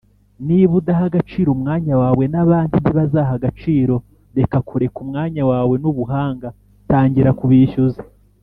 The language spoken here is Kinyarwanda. "niba udaha agaciro umwanya wawe, nabandi ntibazaha agaciro. reka kureka umwanya wawe nubuhanga - tangira kubishyuza."